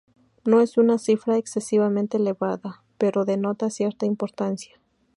No es una cifra excesivamente elevada, pero denota cierta importancia.